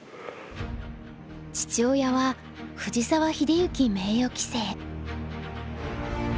父親は藤沢秀行名誉棋聖。